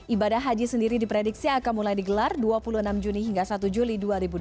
ibadah haji sendiri diprediksi akan mulai digelar dua puluh enam juni hingga satu juli dua ribu dua puluh